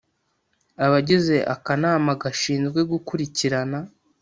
abagize akanama gashinzwe gukurikirana